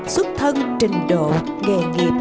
xuất thân trình độ nghề nghiệp